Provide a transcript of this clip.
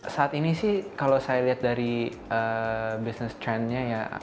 saat ini sih kalau saya lihat dari bisnis trendnya ya